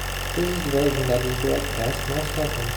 This is the version that is broadcast most often.